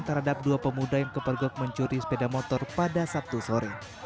terhadap dua pemuda yang kepergok mencuri sepeda motor pada sabtu sore